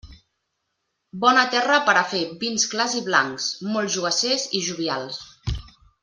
Bona terra per a fer vins clars i blancs, molt jogassers i jovials.